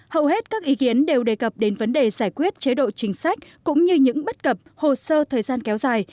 hầu hết các ý kiến đều đề cập đến vấn đề giải quyết chế độ chính sách cũng như những bất cập hồ sơ thời gian kéo dài